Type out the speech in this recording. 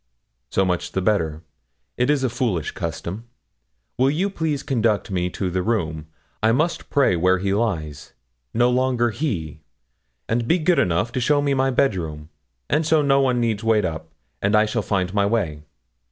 'So much the better; it is a foolish custom. Will you please conduct me to the room? I must pray where he lies no longer he! And be good enough to show me my bedroom, and so no one need wait up, and I shall find my way.'